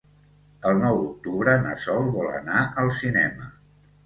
El nou d'octubre na Sol vol anar al cinema.